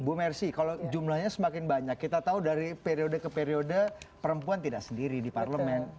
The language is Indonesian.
bu mersi kalau jumlahnya semakin banyak kita tahu dari periode ke periode perempuan tidak sendiri di parlemen